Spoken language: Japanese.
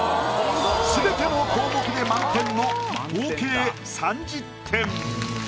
すべての項目で満点の合計３０点。